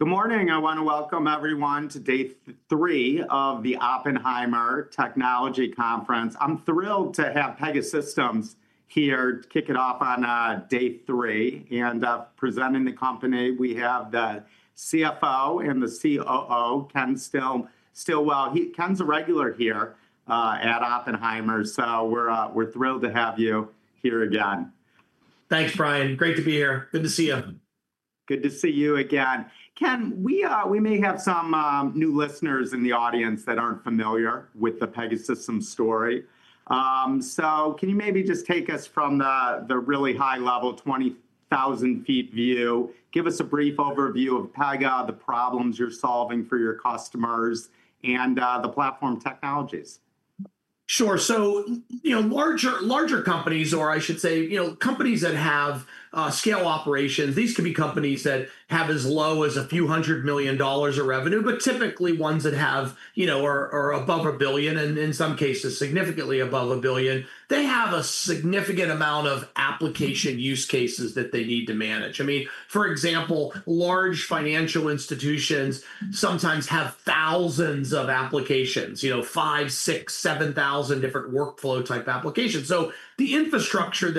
Good morning. I want to welcome everyone to day three of the Oppenheimer Technology Conference. I'm thrilled to have Pegasystems here to kick it off on day three and presenting the company. We have the CFO and the COO, Ken Stillwell. Ken's a regular here at Oppenheimer. We're thrilled to have you here again. Thanks, Brian. Great to be here. Good to see you. Good to see you again. Ken, we may have some new listeners in the audience that aren't familiar with the Pegasystems story. Can you maybe just take us from the really high-level, 20,000-feet view? Give us a brief overview of Pega, the problems you're solving for your customers, and the platform technologies. Sure. Larger companies, or I should say, companies that have scale operations, these could be companies that have as low as a few hundred million dollars of revenue, but typically ones that are above a billion, and in some cases, significantly above a billion. They have a significant amount of application use cases that they need to manage. For example, large financial institutions sometimes have thousands of applications, five, six, seven thousand different workflow type applications. The infrastructure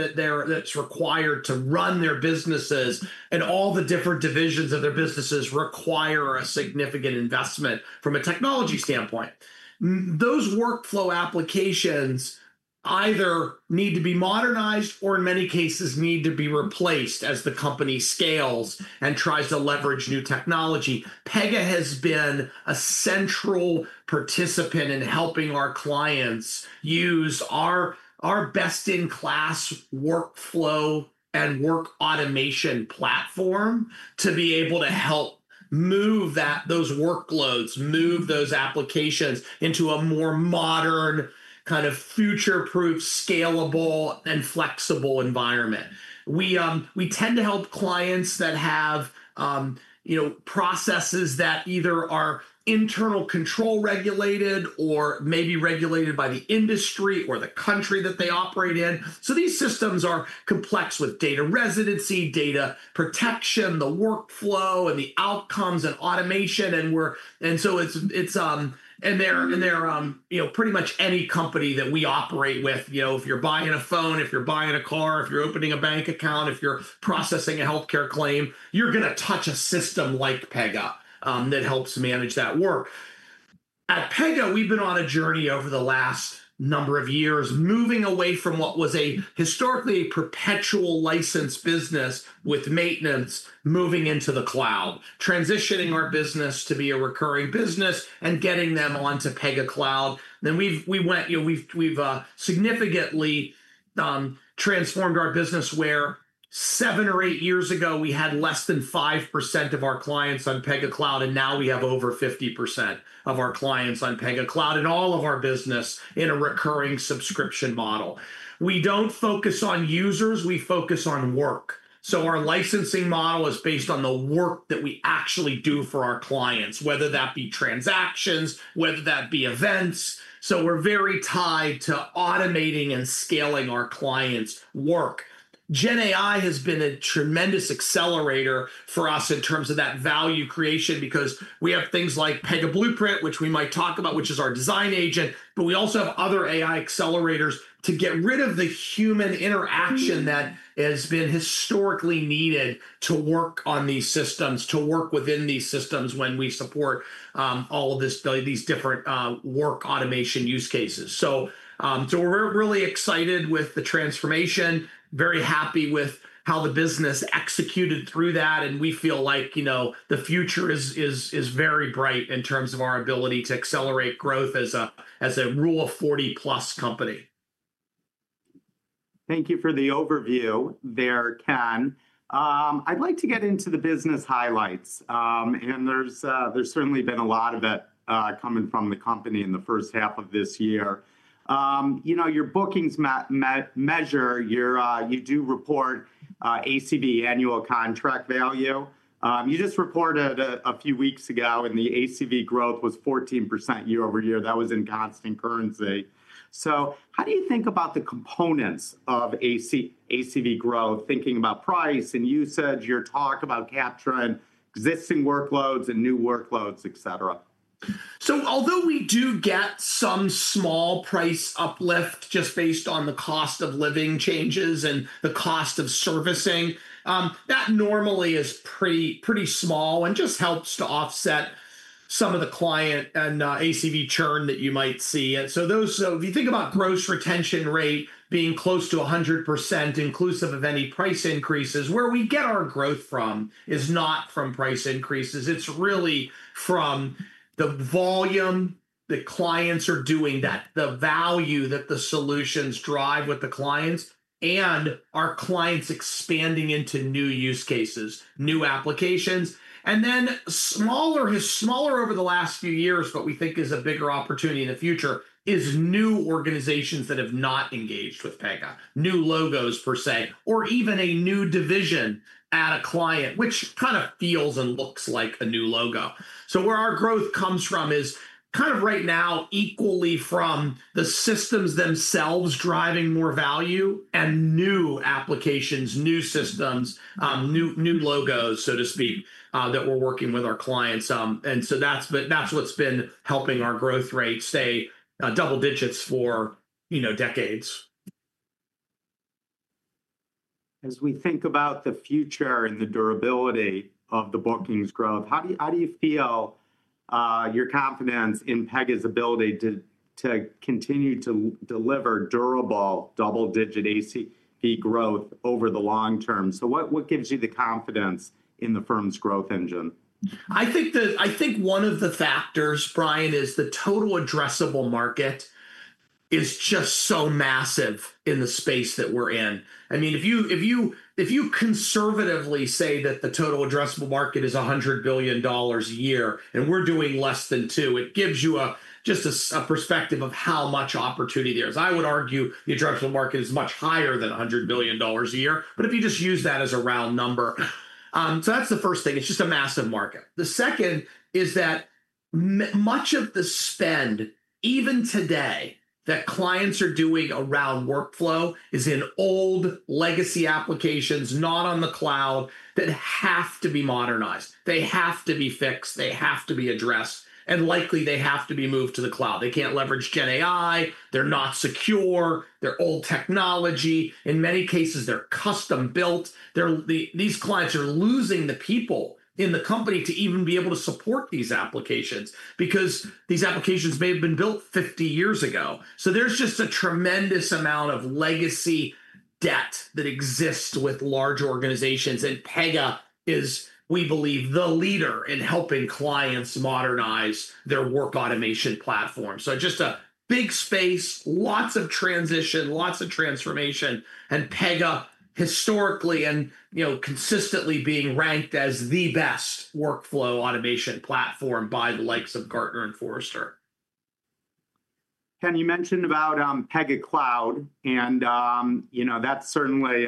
that's required to run their businesses and all the different divisions of their businesses require a significant investment from a technology standpoint. Those workflow applications either need to be modernized or, in many cases, need to be replaced as the company scales and tries to leverage new technology. Pega has been a central participant in helping our clients use our best-in-class workflow and work automation platform to be able to help move those workloads, move those applications into a more modern, future-proof, scalable, and flexible environment. We tend to help clients that have processes that either are internal control regulated or maybe regulated by the industry or the country that they operate in. These systems are complex with data residency, data protection, the workflow, and the outcomes and automation. Pretty much any company that we operate with, if you're buying a phone, if you're buying a car, if you're opening a bank account, if you're processing a healthcare claim, you're going to touch a system like Pega that helps manage that work. At Pega, we've been on a journey over the last number of years, moving away from what was historically a perpetual licensed business with maintenance, moving into the cloud, transitioning our business to be a recurring business and getting them onto Pega Cloud. We have significantly transformed our business where seven or eight years ago, we had less than 5% of our clients on Pega Cloud, and now we have over 50% of our clients on Pega Cloud and all of our business in a recurring subscription model. We don't focus on users; we focus on work. Our licensing model is based on the work that we actually do for our clients, whether that be transactions, whether that be events. We're very tied to automating and scaling our clients' work. GenAI has been a tremendous accelerator for us in terms of that value creation because we have things like Pega GenAI Blueprint, which we might talk about, which is our design agent, but we also have other AI accelerators to get rid of the human interaction that has been historically needed to work on these systems, to work within these systems when we support all of these different workflow automation use cases. We are really excited with the transformation, very happy with how the business executed through that, and we feel like, you know, the future is very bright in terms of our ability to accelerate growth as a rule of 40+ company. Thank you for the overview there, Ken. I'd like to get into the business highlights. There's certainly been a lot of it coming from the company in the first half of this year. Your bookings measure, you do report ACV, annual contract value. You just reported a few weeks ago and the ACV growth was 14% year-over-year. That was in constant currency. How do you think about the components of ACV growth, thinking about price and usage? You talk about capturing existing workloads and new workloads, etc. Although we do get some small price uplift just based on the cost of living changes and the cost of servicing, that normally is pretty small and just helps to offset some of the client and ACV churn that you might see. If you think about gross retention rate being close to 100%, inclusive of any price increases, where we get our growth from is not from price increases. It's really from the volume the clients are doing, the value that the solutions drive with the clients, and our clients expanding into new use cases, new applications. Smaller over the last few years, but we think is a bigger opportunity in the future, is new organizations that have not engaged with Pega, new logos per se, or even a new division at a client, which kind of feels and looks like a new logo. Where our growth comes from is kind of right now equally from the systems themselves driving more value and new applications, new systems, new logos, so to speak, that we're working with our clients. That's what's been helping our growth rate stay double digits for decades. As we think about the future and the durability of the bookings growth, how do you feel your confidence in Pega's ability to continue to deliver durable double-digit ACV growth over the long term? What gives you the confidence in the firm's growth engine? I think one of the factors, Brian, is the total addressable market is just so massive in the space that we're in. I mean, if you conservatively say that the total addressable market is $100 billion a year and we're doing less than two, it gives you just a perspective of how much opportunity there is. I would argue the addressable market is much higher than $100 billion a year, but if you just use that as a round number. That's the first thing. It's just a massive market. The second is that much of the spend, even today, that clients are doing around workflow is in old legacy applications, not on the cloud, that have to be modernized. They have to be fixed. They have to be addressed. Likely, they have to be moved to the cloud. They can't leverage GenAI. They're not secure. They're old technology. In many cases, they're custom built. These clients are losing the people in the company to even be able to support these applications because these applications may have been built 50 years ago. There's just a tremendous amount of legacy debt that exists with large organizations. Pega is, we believe, the leader in helping clients modernize their work automation platform. Just a big space, lots of transition, lots of transformation, and Pega historically and consistently being ranked as the best workflow automation platform by the likes of Gartner and Forrester. Ken, you mentioned about Pega Cloud and you know that's certainly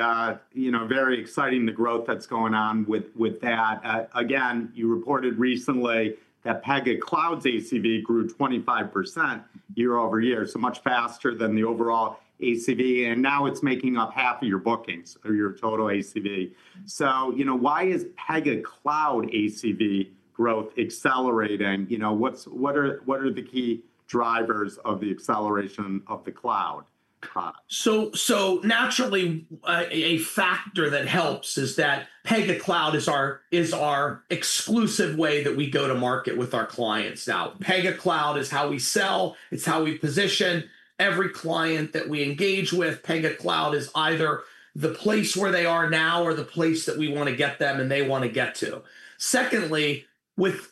very exciting, the growth that's going on with that. You reported recently that Pega Cloud's ACV grew 25% year-over-year, so much faster than the overall ACV, and now it's making up half of your bookings, your total ACV. You know why is Pega Cloud ACV growth accelerating? What are the key drivers of the acceleration of the cloud? Naturally, a factor that helps is that Pega Cloud is our exclusive way that we go to market with our clients now. Pega Cloud is how we sell. It's how we position. Every client that we engage with, Pega Cloud is either the place where they are now or the place that we want to get them and they want to get to. Secondly, with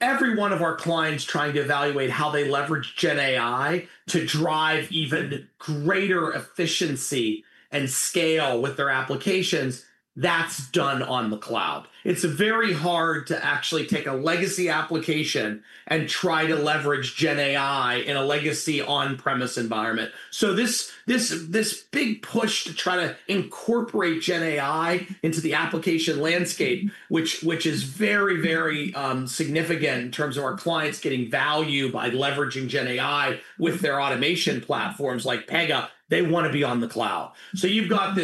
every one of our clients trying to evaluate how they leverage GenAI to drive even greater efficiency and scale with their applications, that's done on the cloud. It's very hard to actually take a legacy application and try to leverage GenAI in a legacy on-premise environment. This big push to try to incorporate GenAI into the application landscape, which is very, very significant in terms of our clients getting value by leveraging GenAI with their automation platforms like Pega, they want to be on the cloud. You've got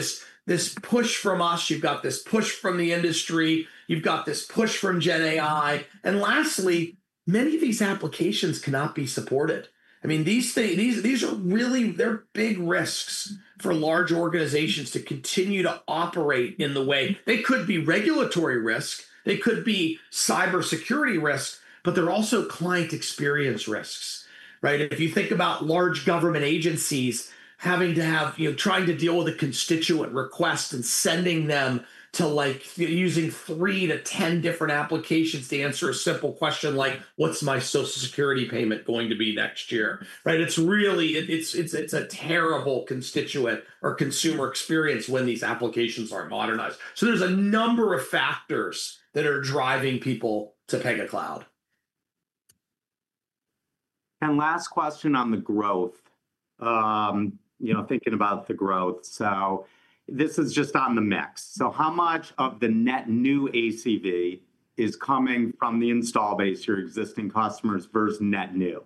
this push from us. You've got this push from the industry. You've got this push from GenAI. Lastly, many of these applications cannot be supported. I mean, these are really, they're big risks for large organizations to continue to operate in the way. They could be regulatory risks. They could be cybersecurity risks, but they're also client experience risks. If you think about large government agencies having to have, trying to deal with a constituent request and sending them to like using three to ten different applications to answer a simple question like, what's my Social Security payment going to be next year? It's really, it's a terrible constituent or consumer experience when these applications aren't modernized. There's a number of factors that are driving people to Pega Cloud. Last question on the growth, thinking about the growth. This is just on the mix. How much of the net new ACV is coming from the install base, your existing customers versus net new?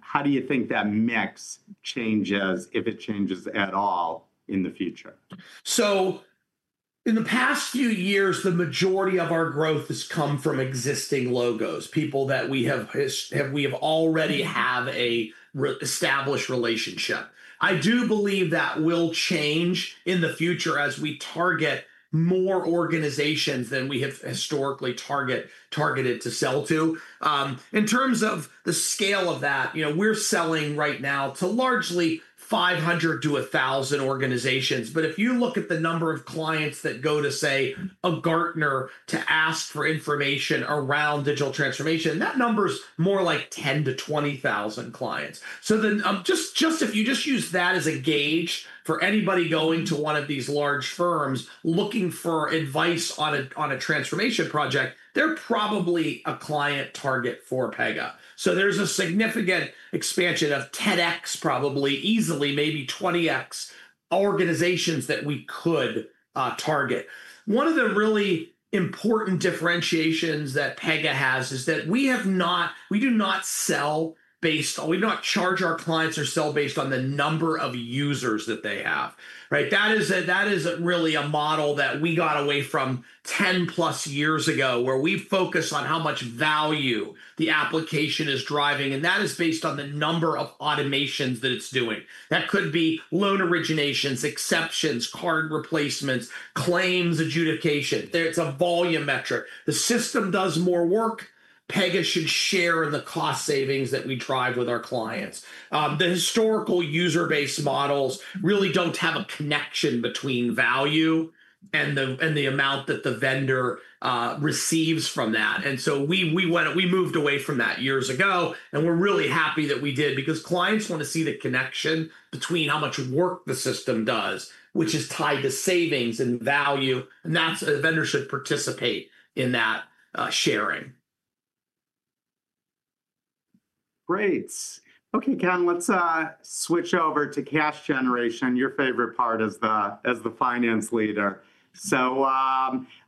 How do you think that mix changes, if it changes at all, in the future? In the past few years, the majority of our growth has come from existing logos, people that we have already established relationships. I do believe that will change in the future as we target more organizations than we have historically targeted to sell to. In terms of the scale of that, we're selling right now to largely 500 to 1,000 organizations. If you look at the number of clients that go to, say, a Gartner to ask for information around digital transformation, that number's more like 10,000-20,000 clients. If you just use that as a gauge for anybody going to one of these large firms looking for advice on a transformation project, they're probably a client target for Pega. There's a significant expansion of 10x, probably easily maybe 20x organizations that we could target. One of the really important differentiations that Pega has is that we do not sell based on, we do not charge our clients or sell based on the number of users that they have. That is really a model that we got away from 10+ years ago where we focus on how much value the application is driving, and that is based on the number of automations that it's doing. That could be loan originations, exceptions, card replacements, claims, adjudication. It's a volume metric. The system does more work. Pega should share in the cost savings that we drive with our clients. The historical user base models really don't have a connection between value and the amount that the vendor receives from that. We moved away from that years ago, and we're really happy that we did because clients want to see the connection between how much work the system does, which is tied to savings and value, and that a vendor should participate in that sharing. Great. Okay, Ken, let's switch over to cash generation, your favorite part as the finance leader.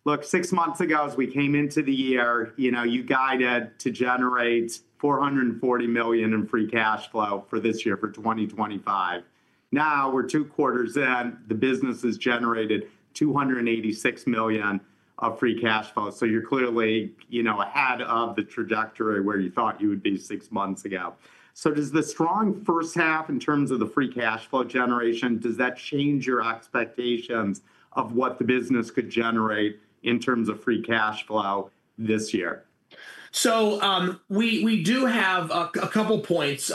Look, six months ago, as we came into the year, you guided to generate $440 million in free cash flow for this year, for 2025. Now we're two quarters in, the business has generated $286 million of free cash flow. You're clearly ahead of the trajectory where you thought you would be six months ago. Does the strong first half in terms of the free cash flow generation change your expectations of what the business could generate in terms of free cash flow this year? We do have a couple of points.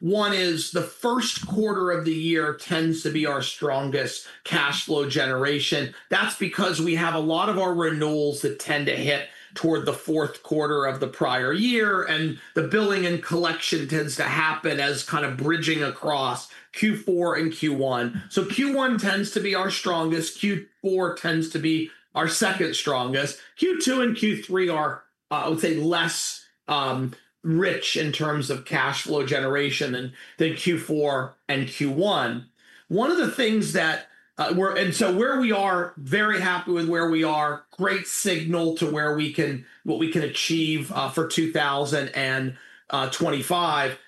One is the first quarter of the year tends to be our strongest cash flow generation. That's because we have a lot of our renewals that tend to hit toward the fourth quarter of the prior year, and the billing and collection tends to happen as kind of bridging across Q4 and Q1. Q1 tends to be our strongest. Q4 tends to be our second strongest. Q2 and Q3 are, I would say, less rich in terms of cash flow generation than Q4 and Q1. We are very happy with where we are, great signal to what we can achieve for 2025.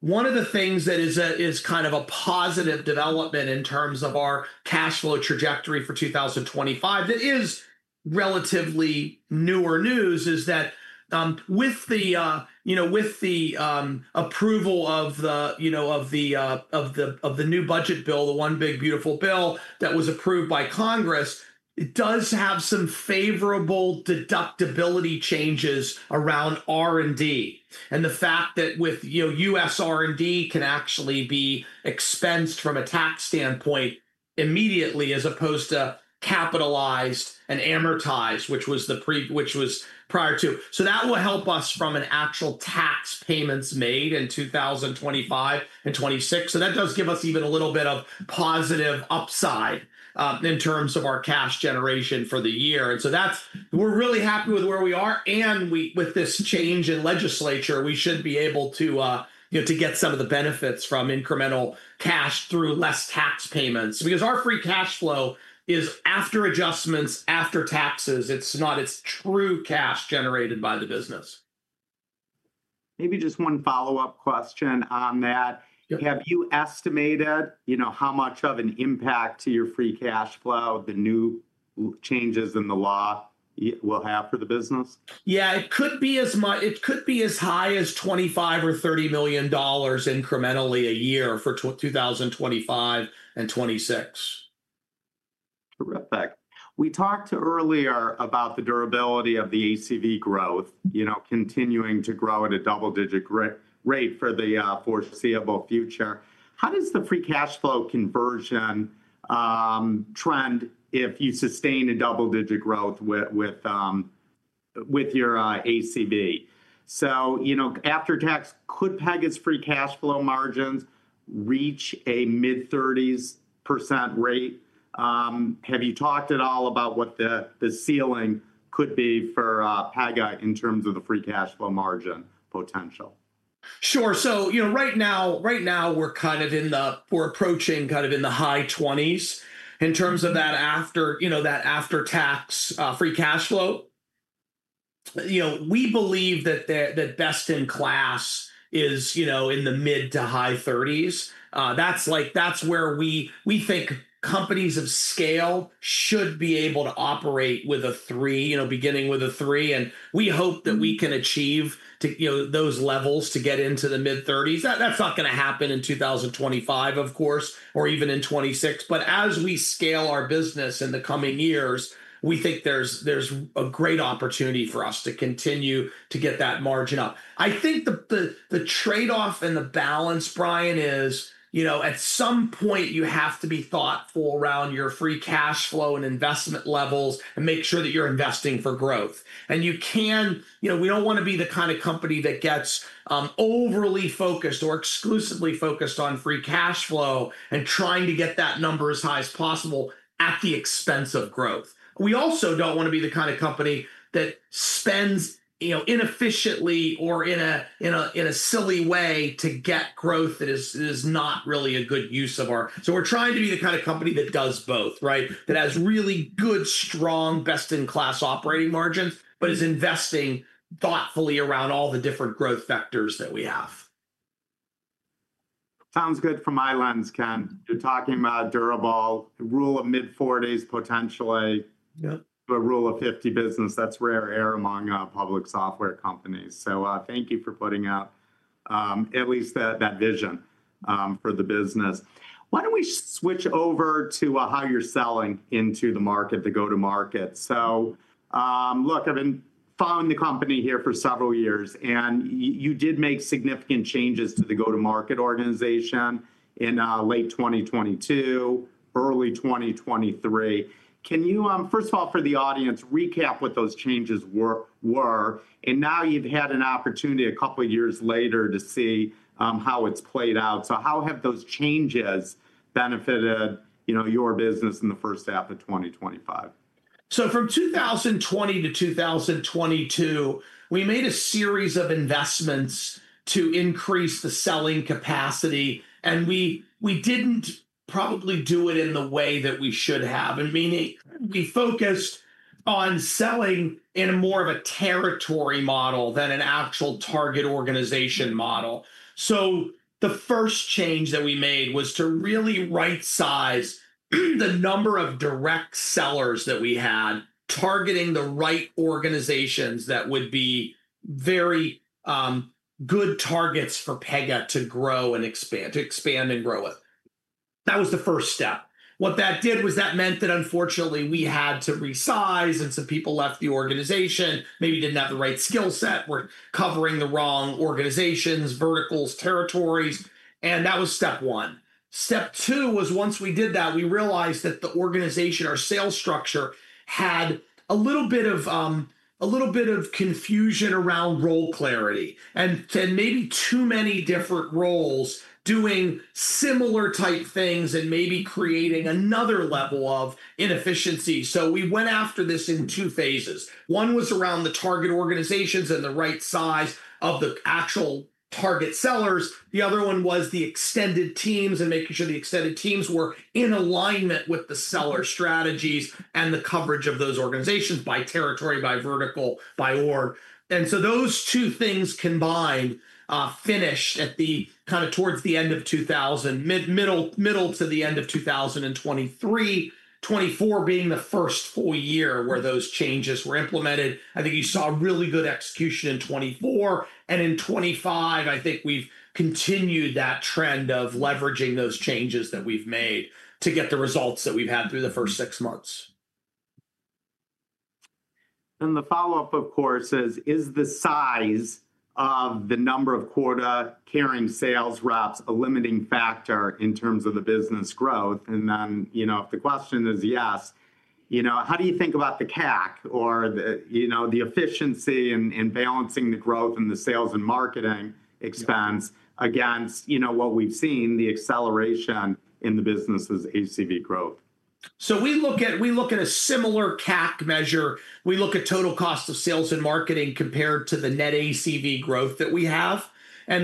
One of the things that is kind of a positive development in terms of our cash flow trajectory for 2025 that is relatively newer news is that with the approval of the new budget bill, the one big beautiful bill that was approved by Congress, it does have some favorable deductibility changes around R&D and the fact that with U.S. R&D can actually be expensed from a tax standpoint immediately as opposed to capitalized and amortized, which was prior to. That will help us from an actual tax payments made in 2025 and 2026. That does give us even a little bit of positive upside in terms of our cash generation for the year. We're really happy with where we are, and with this change in legislature, we should be able to get some of the benefits from incremental cash through less tax payments because our free cash flow is after adjustments, after taxes. It's not, it's through cash generated by the business. Maybe just one follow-up question on that. Have you estimated how much of an impact to your free cash flow the new changes in the law will have for the business? Yeah, it could be as much, it could be as high as $25 million or $30 million incrementally a year for 2025 and 2026. Terrific. We talked earlier about the durability of the ACV growth, you know, continuing to grow at a double-digit rate for the foreseeable future. How does the free cash flow conversion trend if you sustain a double-digit growth with your ACV? After tax, could Pega's free cash flow margins reach a mid-30% rate? Have you talked at all about what the ceiling could be for Pega in terms of the free cash flow margin potential? Sure. Right now we're kind of in the high 20s in terms of that after-tax free cash flow. We believe that the best-in-class is in the mid to high 30s. That's where we think companies of scale should be able to operate, with a three, beginning with a three. We hope that we can achieve those levels to get into the mid-30s. That's not going to happen in 2025, of course, or even in 2026. As we scale our business in the coming years, we think there's a great opportunity for us to continue to get that margin up. I think the trade-off and the balance, Brian, is at some point you have to be thoughtful around your free cash flow and investment levels and make sure that you're investing for growth. We don't want to be the kind of company that gets overly focused or exclusively focused on free cash flow and trying to get that number as high as possible at the expense of growth. We also don't want to be the kind of company that spends inefficiently or in a silly way to get growth that is not really a good use of our resources. We're trying to be the kind of company that does both, right? That has really good, strong, best-in-class operating margins, but is investing thoughtfully around all the different growth factors that we have. Sounds good from my lens, Ken. You're talking about durable, the rule of mid-40s potentially, yeah, the rule of 50 business. That's rare air among public software companies. Thank you for putting up at least that vision for the business. Why don't we switch over to how you're selling into the market, the go-to-market? I've been following the company here for several years, and you did make significant changes to the go-to-market organization in late 2022, early 2023. Can you, first of all, for the audience, recap what those changes were? Now you've had an opportunity a couple of years later to see how it's played out. How have those changes benefited your business in the first half of 2025? From 2020 to 2022, we made a series of investments to increase the selling capacity, and we didn't probably do it in the way that we should have. I mean, we focused on selling in more of a territory model than an actual target organization model. The first change that we made was to really right-size the number of direct sellers that we had, targeting the right organizations that would be very good targets for Pega to grow and expand, to expand and grow with. That was the first step. What that did was that meant that unfortunately we had to resize, and some people left the organization, maybe didn't have the right skill set, were covering the wrong organizations, verticals, territories, and that was step one. Step two was once we did that, we realized that the organization, our sales structure, had a little bit of confusion around role clarity and maybe too many different roles doing similar type things and maybe creating another level of inefficiency. We went after this in two phases. One was around the target organizations and the right size of the actual target sellers. The other one was the extended teams and making sure the extended teams were in alignment with the seller strategies and the coverage of those organizations by territory, by vertical, by org. Those two things combined finished at the kind of towards the end of 2023, middle to the end of 2023, 2024 being the first full year where those changes were implemented. I think you saw really good execution in 2024, and in 2025, I think we've continued that trend of leveraging those changes that we've made to get the results that we've had through the first six months. Is the size of the number of quota carrying sales reps a limiting factor in terms of the business growth? If the answer is yes, how do you think about the CAC or the efficiency in balancing the growth and the sales and marketing expense against what we've seen, the acceleration in the business's ACV growth? We look at a similar CAC measure. We look at total cost of sales and marketing compared to the net ACV growth that we have. We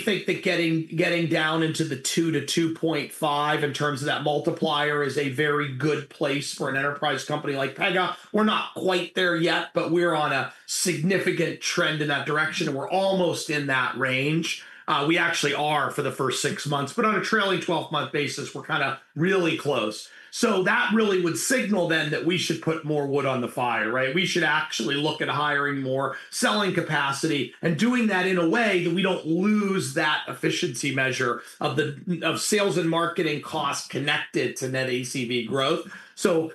think that getting down into the 2 to 2.5 in terms of that multiplier is a very good place for an enterprise company like Pegasystems. We're not quite there yet, but we're on a significant trend in that direction, and we're almost in that range. We actually are for the first six months, but on a trailing 12-month basis, we're really close. That really would signal then that we should put more wood on the fire, right? We should actually look at hiring more selling capacity and doing that in a way that we don't lose that efficiency measure of sales and marketing costs connected to net ACV growth.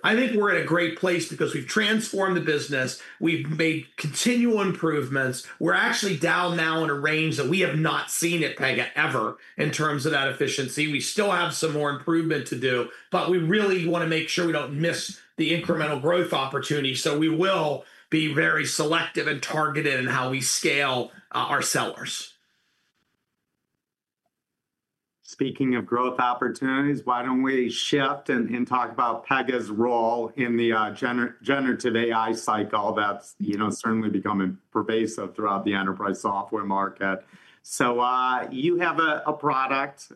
I think we're in a great place because we've transformed the business. We've made continual improvements. We're actually down now in a range that we have not seen at Pega ever in terms of that efficiency. We still have some more improvement to do, but we really want to make sure we don't miss the incremental growth opportunity. We will be very selective and targeted in how we scale our sellers. Speaking of growth opportunities, why don't we shift and talk about Pega's role in the generative AI cycle that's, you know, certainly becoming pervasive throughout the enterprise software market? You have a product,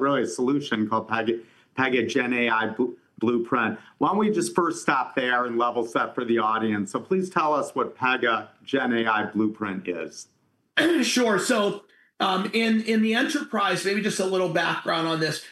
really a solution called Pega GenAI Blueprint. Why don't we just first stop there and level set for the audience? Please tell us what Pega GenAI Blueprint is. Sure. In the enterprise, maybe just a little background on this,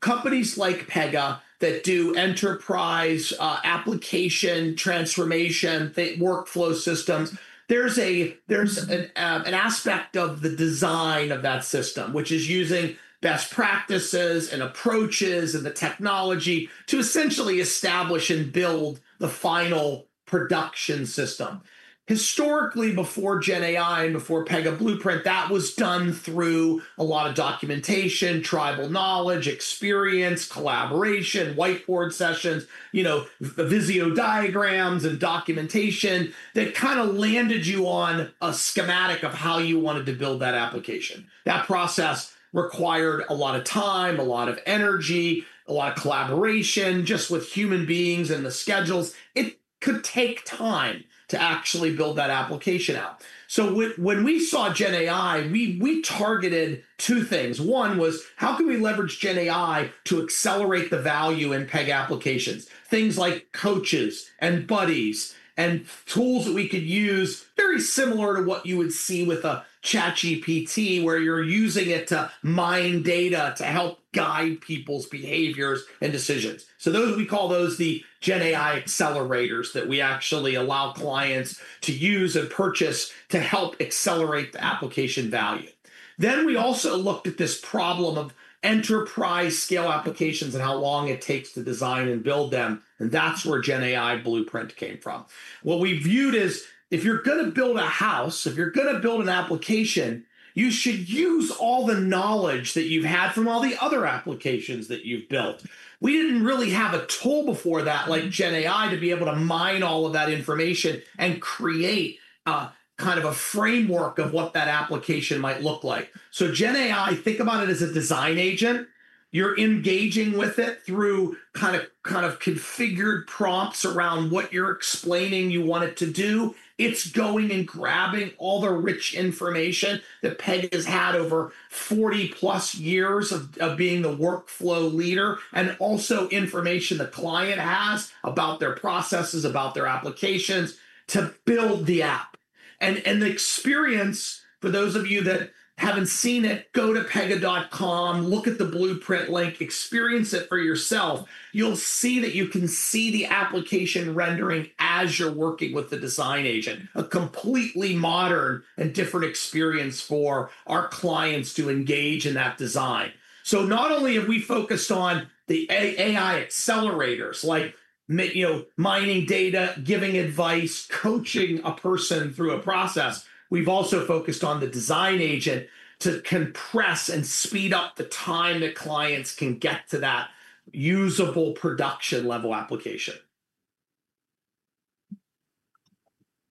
companies like Pega that do enterprise application transformation workflow systems, there's an aspect of the design of that system, which is using best practices and approaches and the technology to essentially establish and build the final production system. Historically, before generative AI and before Pega GenAI Blueprint, that was done through a lot of documentation, tribal knowledge, experience, collaboration, whiteboard sessions, the Visio diagrams and documentation that kind of landed you on a schematic of how you wanted to build that application. That process required a lot of time, a lot of energy, a lot of collaboration just with human beings and the schedules. It could take time to actually build that application out. When we saw GenAI, we targeted two things. One was how can we leverage GenAI to accelerate the value in Pega applications, things like coaches and buddies and tools that we could use very similar to what you would see with a ChatGPT where you're using it to mine data to help guide people's behaviors and decisions. We call those the GenAI accelerators that we actually allow clients to use and purchase to help accelerate the application value. We also looked at this problem of enterprise scale applications and how long it takes to design and build them. That is where Pega GenAI Blueprint came from. What we viewed is if you're going to build a house, if you're going to build an application, you should use all the knowledge that you've had from all the other applications that you've built. We didn't really have a tool before that like generative AI to be able to mine all of that information and create a kind of a framework of what that application might look like. Generative AI, think about it as a design agent. You're engaging with it through kind of configured prompts around what you're explaining you want it to do. It's going and grabbing all the rich information that Pegasystems has had over 40+ years of being the workflow leader and also information the client has about their processes, about their applications to build the app. The experience, for those of you that haven't seen it, go to pega.com, look at the Blueprint link, experience it for yourself. You'll see that you can see the application rendering as you're working with the design agent, a completely modern and different experience for our clients to engage in that design. Not only have we focused on the AI accelerators, like mining data, giving advice, coaching a person through a process, we've also focused on the design agent to compress and speed up the time that clients can get to that usable production-level application.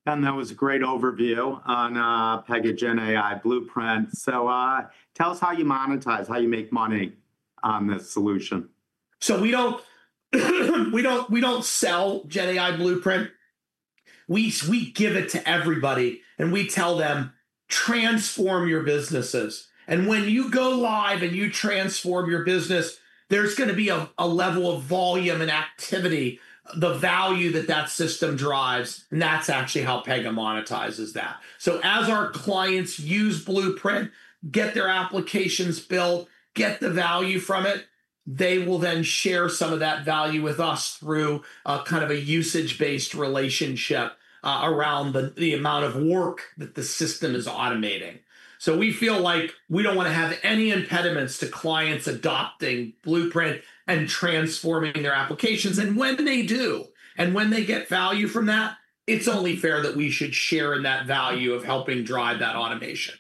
Ken, that was a great overview on Pega GenAI Blueprint. Tell us how you monetize, how you make money on this solution. We don't sell Pega GenAI Blueprint. We give it to everybody and we tell them, "Transform your businesses." When you go live and you transform your business, there's going to be a level of volume and activity, the value that that system drives. That's actually how Pega monetizes that. As our clients use Blueprint, get their applications built, get the value from it, they will then share some of that value with us through a kind of a usage-based relationship around the amount of work that the system is automating. We feel like we don't want to have any impediments to clients adopting Blueprint and transforming their applications. When they do, and when they get value from that, it's only fair that we should share in that value of helping drive that automation.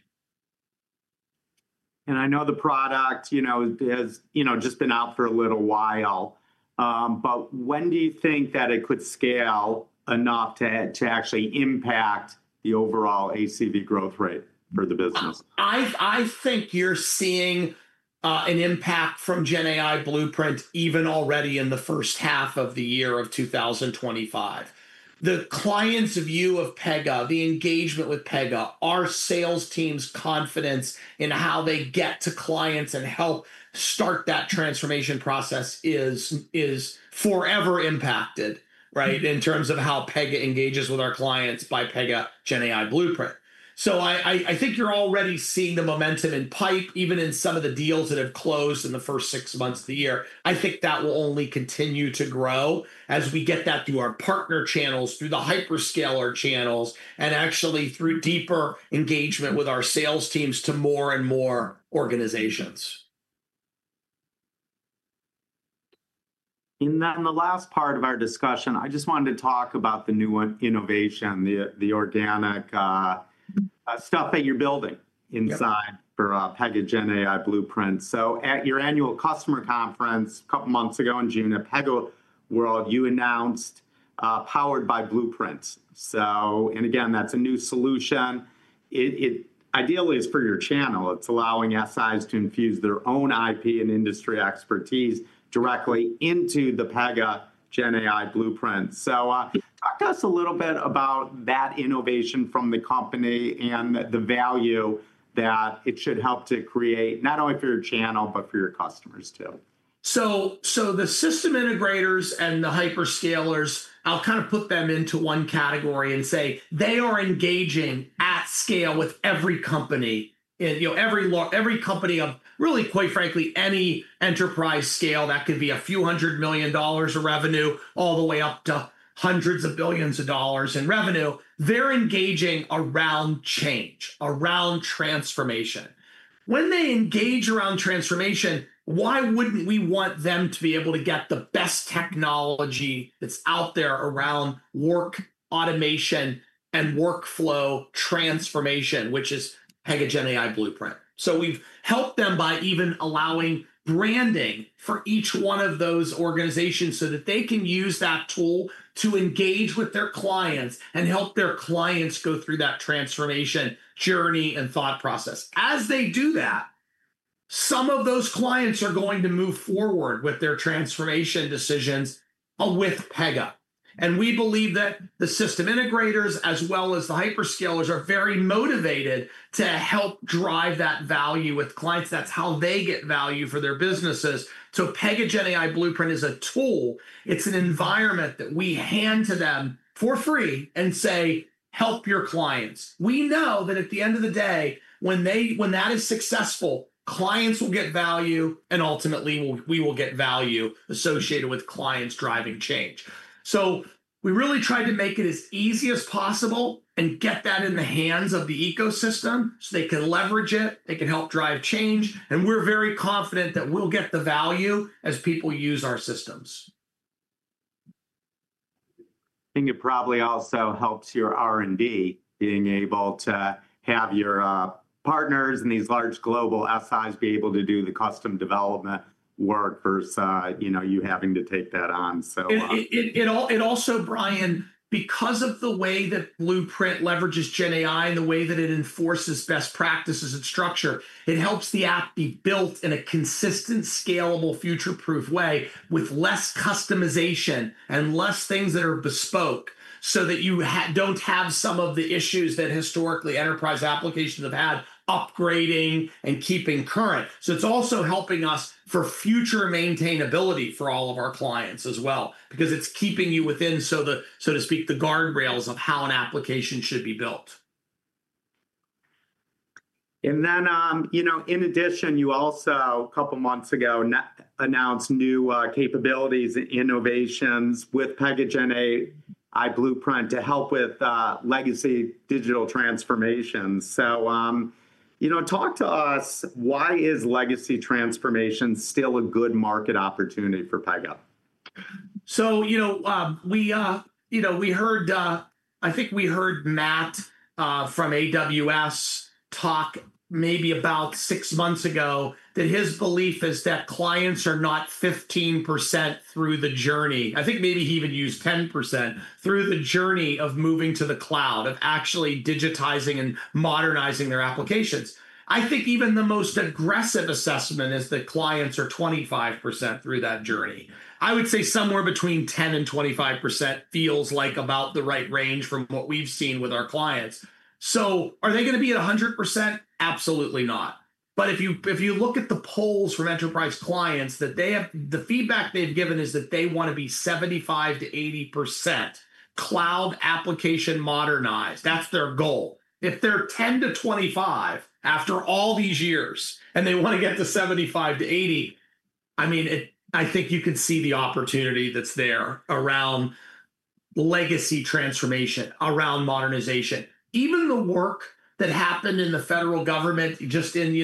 I know the product, you know, has just been out for a little while, but when do you think that it could scale enough to actually impact the overall ACV growth rate for the business? I think you're seeing an impact from Pega GenAI Blueprint even already in the first half of the year 2025. The clients' view of Pega, the engagement with Pega, our sales team's confidence in how they get to clients and help start that transformation process is forever impacted, right, in terms of how Pega engages with our clients by Pega GenAI Blueprint. I think you're already seeing the momentum in pipe, even in some of the deals that have closed in the first six months of the year. I think that will only continue to grow as we get that through our partner channels, through the hyperscaler channels, and actually through deeper engagement with our sales teams to more and more organizations. In the last part of our discussion, I just wanted to talk about the new innovation, the organic stuff that you're building inside for Pega GenAI Blueprint. At your annual customer conference a couple of months ago in June at PegaWorld, you announced Powered by Blueprints. That's a new solution. It ideally is for your channel. It's allowing system integrators to infuse their own IP and industry expertise directly into the Pega GenAI Blueprint. Talk to us a little bit about that innovation from the company and the value that it should help to create, not only for your channel, but for your customers too. The system integrators and the hyperscalers, I'll kind of put them into one category and say they are engaging at scale with every company. Every company, really quite frankly, any enterprise scale that could be a few hundred million dollars of revenue all the way up to hundreds of billions of dollars in revenue, they're engaging around change, around transformation. When they engage around transformation, why wouldn't we want them to be able to get the best technology that's out there around work automation and workflow transformation, which is Pega GenAI Blueprint? We've helped them by even allowing branding for each one of those organizations so that they can use that tool to engage with their clients and help their clients go through that transformation journey and thought process. As they do that, some of those clients are going to move forward with their transformation decisions with Pega. We believe that the system integrators, as well as the hyperscalers, are very motivated to help drive that value with clients. That's how they get value for their businesses. Pega GenAI Blueprint is a tool. It's an environment that we hand to them for free and say, "Help your clients." We know that at the end of the day, when that is successful, clients will get value, and ultimately, we will get value associated with clients driving change. We really tried to make it as easy as possible and get that in the hands of the ecosystem so they can leverage it. They can help drive change. We're very confident that we'll get the value as people use our systems. It probably also helps your R&D being able to have your partners and these large global system integrators be able to do the custom development work versus you having to take that on. It also, Brian, because of the way that Blueprint leverages GenAI and the way that it enforces best practices and structure, it helps the app be built in a consistent, scalable, future-proof way with less customization and less things that are bespoke, so that you don't have some of the issues that historically enterprise applications have had upgrading and keeping current. It's also helping us for future maintainability for all of our clients as well because it's keeping you within, so to speak, the guardrails of how an application should be built. In addition, you also, a couple of months ago, announced new capabilities and innovations with Pega GenAI Blueprint to help with legacy digital transformations. Talk to us, why is legacy transformation still a good market opportunity for Pega? We heard, I think we heard Matt from AWS talk maybe about six months ago that his belief is that clients are not 15% through the journey. I think maybe he even used 10% through the journey of moving to the cloud, of actually digitizing and modernizing their applications. I think even the most aggressive assessment is that clients are 25% through that journey. I would say somewhere between 10% and 25% feels like about the right range from what we've seen with our clients. Are they going to be at 100%? Absolutely not. If you look at the polls from enterprise clients, the feedback they've given is that they want to be 75%-80% cloud application modernized. That's their goal. If they're 10%-25% after all these years and they want to get to 75%-80%, I think you could see the opportunity that's there around legacy transformation, around modernization. Even the work that happened in the federal government, just in,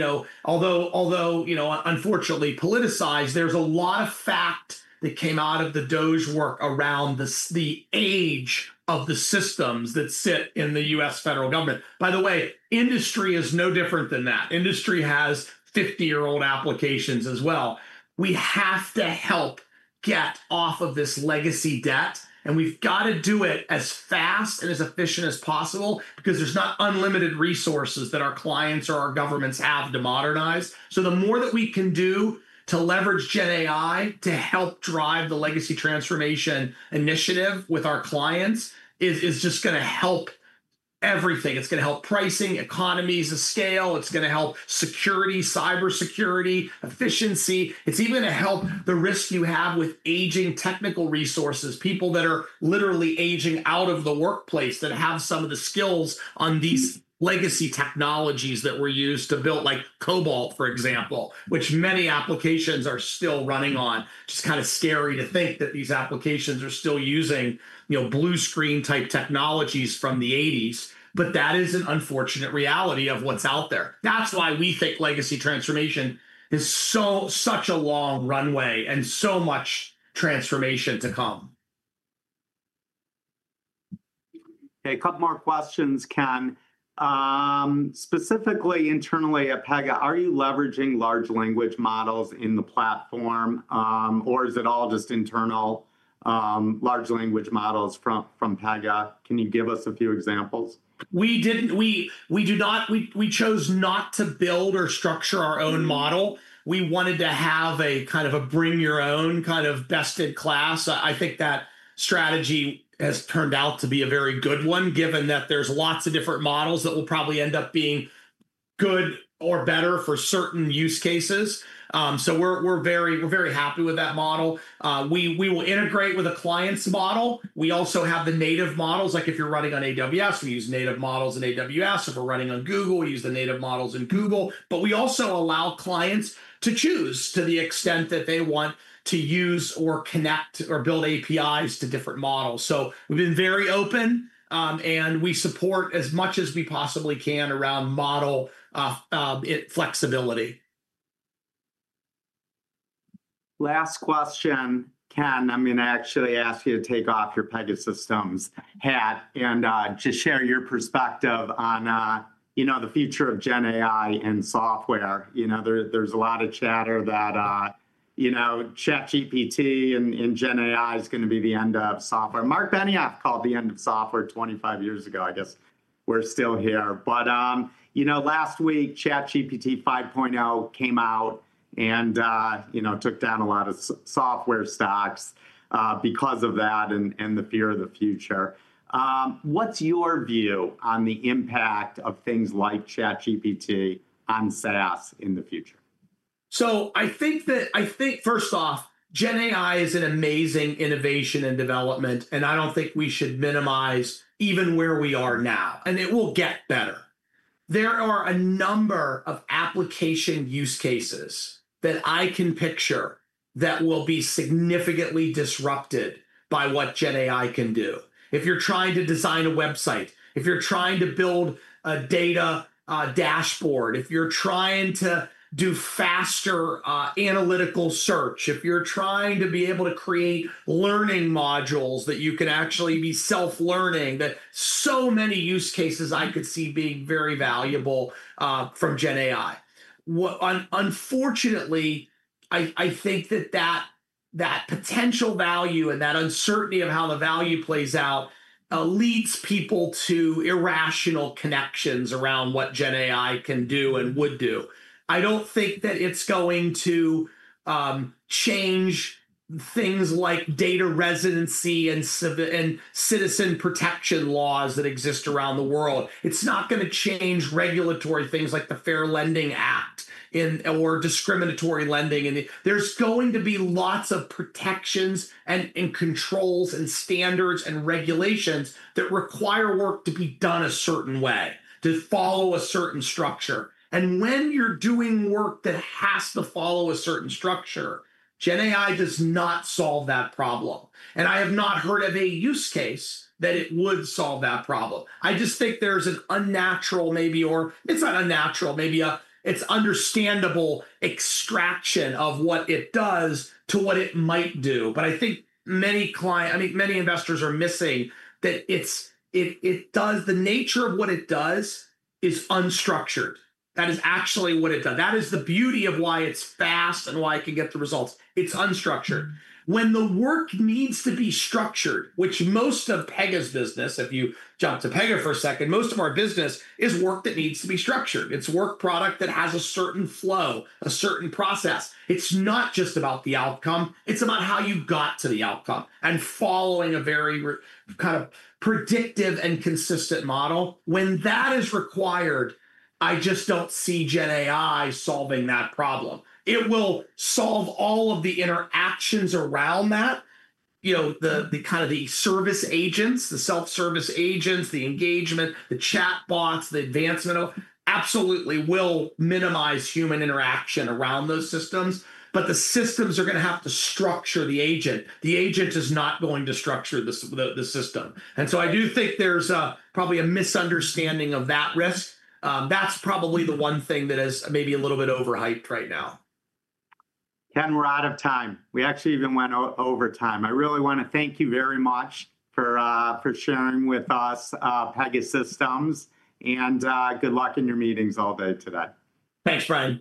although unfortunately politicized, there's a lot of fact that came out of the DOGE work around the age of the systems that sit in the U.S. federal government. By the way, industry is no different than that. Industry has 50-year-old applications as well. We have to help get off of this legacy debt, and we've got to do it as fast and as efficient as possible because there's not unlimited resources that our clients or our governments have to modernize. The more that we can do to leverage generative AI to help drive the legacy transformation initiative with our clients is just going to help everything. It's going to help pricing, economies of scale. It's going to help security, cybersecurity, efficiency. It's even going to help the risk you have with aging technical resources, people that are literally aging out of the workplace that have some of the skills on these legacy technologies that were used to build, like COBOL, for example, which many applications are still running on. It's kind of scary to think that these applications are still using blue screen type technologies from the 1980s. That is an unfortunate reality of what's out there. That's why we think legacy transformation is such a long runway and so much transformation to come. Okay, a couple more questions, Ken. Specifically, internally at Pega, are you leveraging large language models in the platform, or is it all just internal large language models from Pegasystems? Can you give us a few examples? We do not, we chose not to build or structure our own model. We wanted to have a kind of a bring your own kind of best-in-class. I think that strategy has turned out to be a very good one, given that there's lots of different models that will probably end up being good or better for certain use cases. We're very happy with that model. We will integrate with a client's model. We also have the native models, like if you're running on AWS, we use native models in AWS. If we're running on Google, we use the native models in Google. We also allow clients to choose to the extent that they want to use or connect or build APIs to different models. We've been very open, and we support as much as we possibly can around model flexibility. Last question, Ken. I'm going to actually ask you to take off your Pegasystems hat and to share your perspective on, you know, the future of GenAI and software. You know, there's a lot of chatter that, you know, ChatGPT and GenAI is going to be the end of software. Mark Benioff called the end of software 25 years ago. I guess we're still here. Last week, ChatGPT 5.0 came out and, you know, took down a lot of software stocks because of that and the fear of the future. What's your view on the impact of things like ChatGPT on SaaS in the future? I think first off, generative AI is an amazing innovation and development, and I don't think we should minimize even where we are now, and it will get better. There are a number of application use cases that I can picture that will be significantly disrupted by what generative AI can do. If you're trying to design a website, if you're trying to build a data dashboard, if you're trying to do faster analytical search, if you're trying to be able to create learning modules that you can actually be self-learning, there are so many use cases I could see being very valuable from generative AI. Unfortunately, I think that potential value and that uncertainty of how the value plays out leads people to irrational connections around what GenAI can do and would do. I don't think that it's going to change things like data residency and citizen protection laws that exist around the world. It's not going to change regulatory things like the Fair Lending Act or discriminatory lending. There are going to be lots of protections and controls and standards and regulations that require work to be done a certain way, to follow a certain structure. When you're doing work that has to follow a certain structure, generative AI does not solve that problem. I have not heard of a use case that it would solve that problem. I just think there's an unnatural, maybe, or it's not unnatural, maybe it's understandable extraction of what it does to what it might do. I think many clients, I think many investors are missing that the nature of what it does is unstructured. That is actually what it does. That is the beauty of why it's fast and why it can get the results. It's unstructured. When the work needs to be structured, which most of Pega's business, if you jump to Pega for a second, most of our business is work that needs to be structured. It's work product that has a certain flow, a certain process. It's not just about the outcome. It's about how you got to the outcome and following a very kind of predictive and consistent model. When that is required, I just don't see GenAI solving that problem. It will solve all of the interactions around that. The service agents, the self-service agents, the engagement, the chatbots, the advancement, absolutely will minimize human interaction around those systems. The systems are going to have to structure the agent. The agent is not going to structure the system. I do think there's probably a misunderstanding of that risk. That's probably the one thing that is maybe a little bit overhyped right now. Ken, we're out of time. We actually even went over time. I really want to thank you very much for sharing with us Pegasystems, and good luck in your meetings all day today. Thanks, Brian.